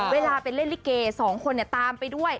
เวลาไปเล่นลิเก๒คนตามไปด้วย